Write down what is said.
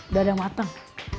udah ada yang mateng